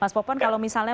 mas popon kalau misalnya